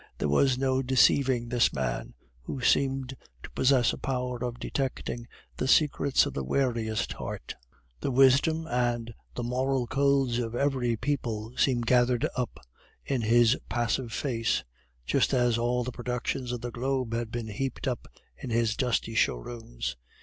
There was no deceiving this man, who seemed to possess a power of detecting the secrets of the wariest heart. The wisdom and the moral codes of every people seemed gathered up in his passive face, just as all the productions of the globe had been heaped up in his dusty showrooms.